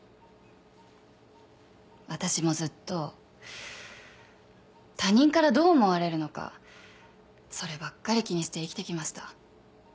私もずっと他人からどう思われるのかそればっかり気にして生きてきました。